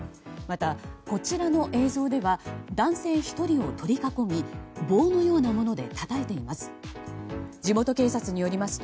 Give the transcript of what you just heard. またこちらの映像では男性１人を取り囲み棒のようなものでたたいています。